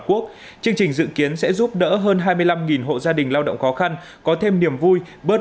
quốc chương trình dự kiến sẽ giúp đỡ hơn hai mươi năm hộ gia đình lao động khó khăn có thêm niềm vui bớt